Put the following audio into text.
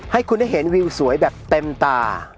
ให้คุณได้เห็นวิวสวยแบบเต็มตา